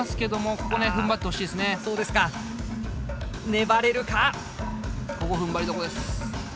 ここふんばりどころです。